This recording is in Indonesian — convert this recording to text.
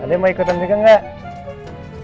kalian mau ikutin mereka nggak